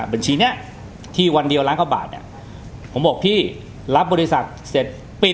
บัญชีเนี้ยที่วันเดียวล้านกว่าบาทเนี่ยผมบอกพี่รับบริษัทเสร็จปิด